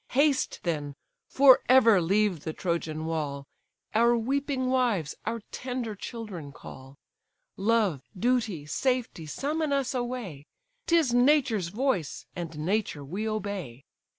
Haste, then, for ever leave the Trojan wall! Our weeping wives, our tender children call: Love, duty, safety, summon us away, 'Tis nature's voice, and nature we obey.